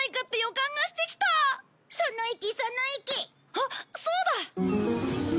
あっそうだ！